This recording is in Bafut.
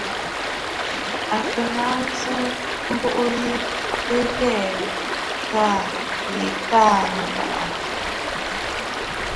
À ka lɔ̀gə mbû yì ɨ ghɛ tâ yì Taà Nɨ̀bàʼà kɔʼɔsə.